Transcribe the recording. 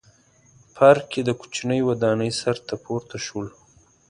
پارک کې د کوچنۍ ودانۍ سر ته پورته شولو.